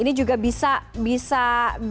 ini juga bisa menjamin rasa aman ketika